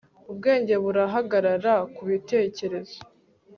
Ubwenge burahagarara kubitekerezo